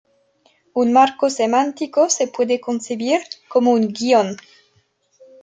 Un marco semántico se puede concebir como un guion.